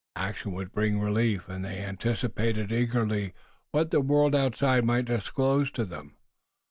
Action would bring relief, and they anticipated eagerly what the world outside might disclose to them.